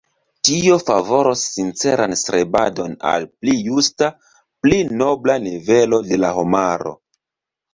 Tio favoros sinceran strebadon al pli justa, pli nobla nivelo de la homaro.